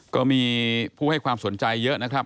ก็มีผู้ให้ความสนใจเยอะนะครับ